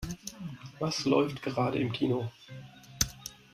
Was läuft gerade im Kino?